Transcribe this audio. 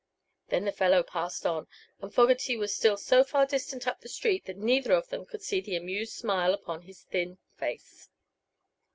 Then the fellow passed on, and Fogerty was still so far distant up the street that neither of them could see the amused smile upon his thin face.